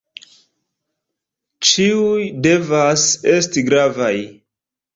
Ĉiuj devas esti gravaj.